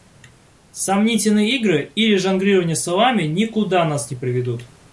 Сомнительные игры или жонглирование словами никуда нас не приведут.